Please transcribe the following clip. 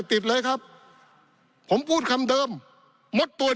ปี๑เกณฑ์ทหารแสน๒